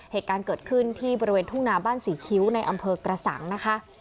เหตุการณ์เกิดขึ้นที่บริเวณทุ่งนาบ้านศรีคิ้วในอำเภอกระสังนะคะ